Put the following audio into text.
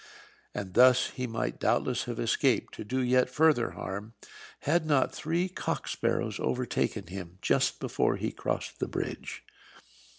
And thus he might doubtless have escaped to do yet further harm, had not three cock sparrows overtaken him just before he crossed the bridge.